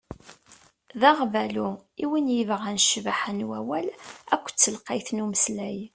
D aɣbalu i win yebɣan ccbaḥa n wawal akked telqayt n umeslay.